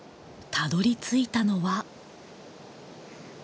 たどりついたのは。